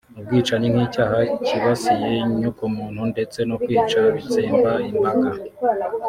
ubwicanyi nk’icyaha kibasiye inyokomuntu ndetse no kwica bitsemba imbaga